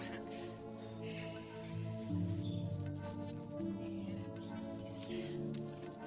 eh eh eh rapi